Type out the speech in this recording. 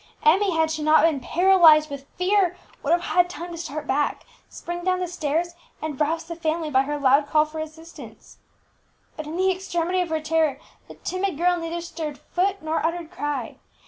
Emmie, had she not been paralyzed with fear, would have had time to start back, spring down the stairs, and rouse the family by her loud call for assistance. But in the extremity of her terror the timid girl neither stirred foot nor uttered cry.